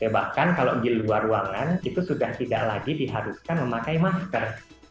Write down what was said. bahkan kalau di luar ruangan itu sudah tidak lagi diharuskan memakai masker